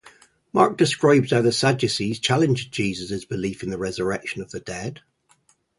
Mark describes how the Sadducees challenged Jesus' belief in the Resurrection of the Dead.